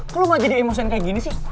kok lo gak jadi emosin kayak gini sih